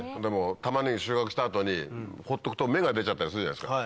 タマネギ収穫した後に放っとくと芽が出ちゃったりするじゃないですか。